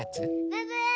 ブブー！